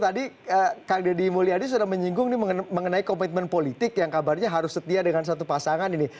tadi kang deddy mulyadi sudah menyinggung mengenai komitmen politik yang kabarnya harus setia dengan satu pasangan ini